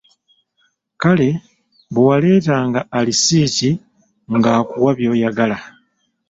Kale bwe waleetanga alisiiti ng'akuwa byoyagala.